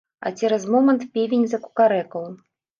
А цераз момант певень закукарэкаў.